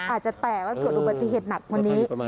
อาจจะแตกแล้วเกิดอุบัติเหตุหนักกว่านี้